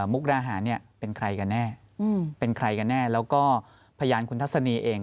มุกดาหารเนี่ยเป็นใครกันแน่เป็นใครกันแน่แล้วก็พยานคุณทัศนีเอง